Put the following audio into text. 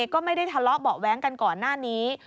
ก็ไม่ได้ทะเลาะเบาะแว้งกันก่อนหน้านี้